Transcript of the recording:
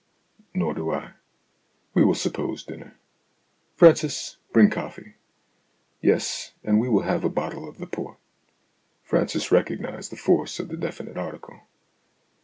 Nor do I. We will suppose dinner. Francis, bring coffee. Yes, and we will have a bottle of the port." Francis recognized the force of the definite article.